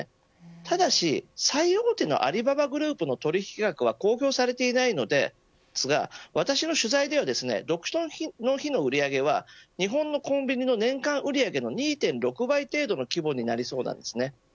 ただし最大手のアリババグループの取引額は公表されていないのですが私の取材では独身の日の売り上げは日本のコンビニの年間売り上げの２．６倍程度の規模になりそうです。